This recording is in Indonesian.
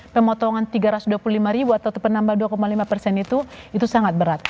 pemotongan tiga ratus dua puluh lima ribu atau penambah dua lima persen itu itu sangat berat